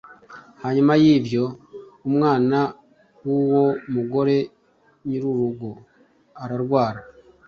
Hanyuma yibyo umwana wuwo mugore nyirurugo ararwara